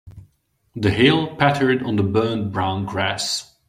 The hail pattered on the burnt brown grass.